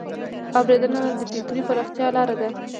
اورېدنه د فکري پراختیا لار ده